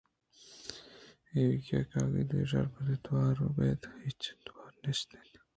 ایوک ءَ کاگدانی شپیرگ ءِ توار ءَ ابیددگہ ہچ توارے نیست اَت